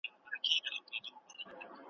په منطق دي نه پوهېږي دا غویی دی .